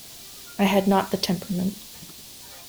I had not the temperament.